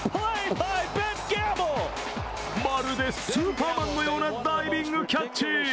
まるでスーパーマンのようなダイビングキャッチ。